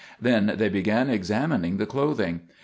Then they began examining the clothing.